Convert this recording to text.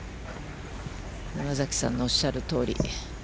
山崎さんのおっしゃるとおり。